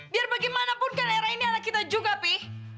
biar bagaimanapun kan era ini anak kita juga pi